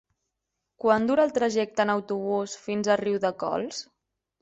Quant dura el trajecte en autobús fins a Riudecols?